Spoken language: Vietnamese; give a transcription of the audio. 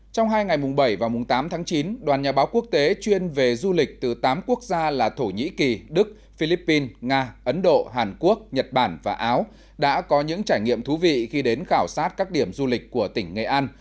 trong hai ngày mùng bảy và mùng tám tháng chín đoàn nhà báo quốc tế chuyên về du lịch từ tám quốc gia là thổ nhĩ kỳ đức philippines nga ấn độ hàn quốc nhật bản và áo đã có những trải nghiệm thú vị khi đến khảo sát các điểm du lịch của tỉnh nghệ an